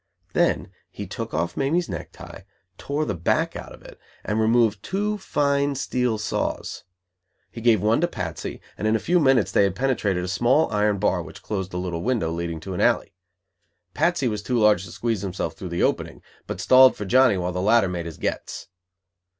Then he took off Mamie's neck tie, tore the back out of it, and removed two fine steel saws. He gave one to Patsy, and in a few minutes they had penetrated a small iron bar which closed a little window leading to an alley. Patsy was too large to squeeze himself through the opening, but "stalled" for Johnny while the latter "made his gets".